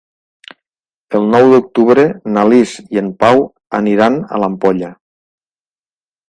El nou d'octubre na Lis i en Pau aniran a l'Ampolla.